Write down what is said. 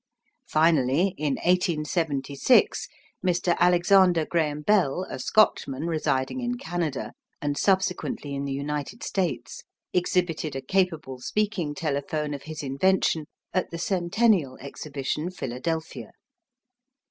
Finally, in 1876, Mr. Alexander Graham Bell, a Scotchman, residing in Canada, and subsequently in the United States, exhibited a capable speaking telephone of his invention at the Centennial Exhibition, Philadelphia.